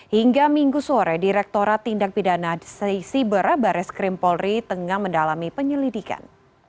hingga minggu sore direkturat tindak pidana sisi berabare skrimpolri tengah mendalami penyelidikan